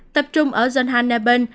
tập trung ở zonhanabend